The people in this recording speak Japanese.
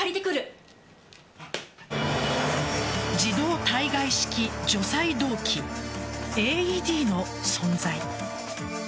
自動体外式除細動器＝ＡＥＤの存在。